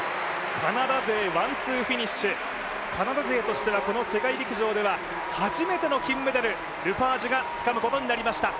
カナダ勢ワンツーフィニッシュ、カナダ勢としてはこの世界陸上初めての金メダル、ルパージュがつかむことになりました。